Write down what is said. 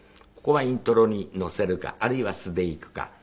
ここはイントロにのせるかあるいは素でいくか。